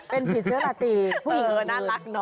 เป็นผีเชื้อหลักตีผู้หญิงกลางคืน